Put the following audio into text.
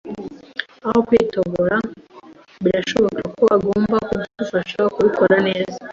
Aho kwitoba, birashoboka ko agomba kudufasha kubikora neza.